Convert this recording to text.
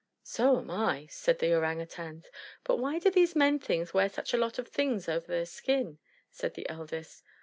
"So am I," said the Orang Utangs. "But why do these men things wear such a lot of things over their skins?" said the eldest.